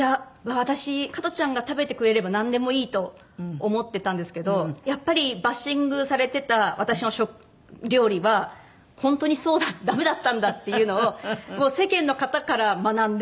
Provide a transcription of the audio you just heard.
私加トちゃんが食べてくれればなんでもいいと思ってたんですけどやっぱりバッシングされてた私の料理は本当にそうダメだったんだっていうのを世間の方から学んで。